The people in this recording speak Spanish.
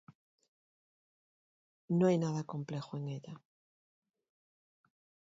No hay nada complejo en ella.